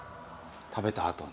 食べたあとね。